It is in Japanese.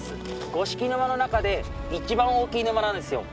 五色沼の中で一番大きい沼なんですよ。